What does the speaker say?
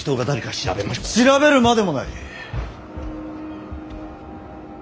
調べるまでもない。